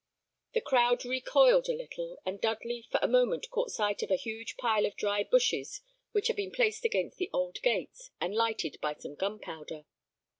The crowd recoiled a little, and Dudley for a moment caught sight of a huge pile of dry bushes which had been placed against the old gates, and lighted by some gunpowder.